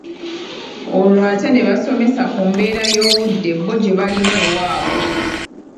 Olwo ate ne basomesa ku mbeera y’Obudde bo gye balina ewaabwe